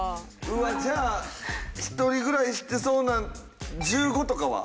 じゃあ１人ぐらい知ってそうな１５とかは。